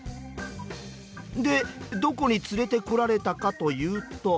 でどこに連れてこられたかというと。